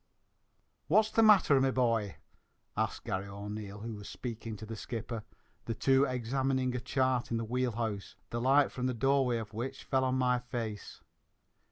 "What's the matther, me bhoy?" asked Garry O'Neil, who was speaking to the skipper, the two examining a chart in the wheel house, the light from the doorway of which fell on my face.